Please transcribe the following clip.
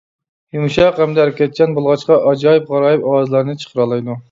يۇمشاق ھەمدە ھەرىكەتچان بولغاچقا، ئاجايىپ-غارايىپ ئاۋازلارنى چىقىرالايدۇ.